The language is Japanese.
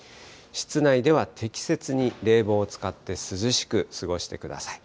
室内では適切に冷房を使って涼しく過ごしてください。